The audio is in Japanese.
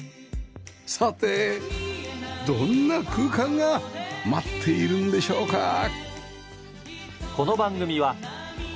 さてどんな空間が待っているんでしょうか？